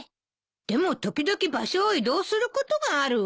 でも時々場所を移動することがあるわ。